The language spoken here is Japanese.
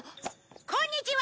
こんにちは！